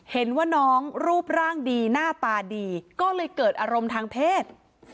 เห็นว่าน้องรูปร่างดีหน้าตาดีก็เลยเกิดอารมณ์ทางเพศ